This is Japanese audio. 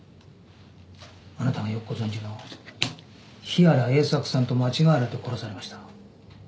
あなたがよくご存じの日原英策さんと間違われて殺されました。